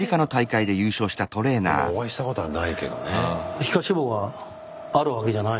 お会いしたことはないけどね。